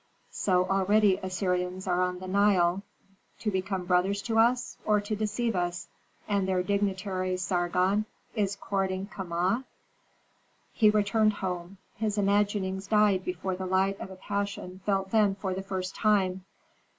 "So already Assyrians are on the Nile, to become brothers to us, or to deceive us, and their dignitary, Sargon, is courting Kama?" He returned home. His imaginings died before the light of a passion felt then for the first time.